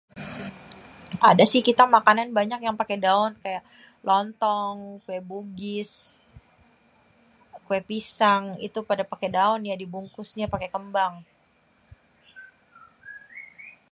ada si kita makanan banyak yang pakê daon kayak lontong, kuê bugis, kuê pisang itu pada pake daon ya dibungkusnya pakê kembang.